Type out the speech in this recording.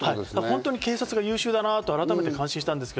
警察が優秀だなと改めて感心しました。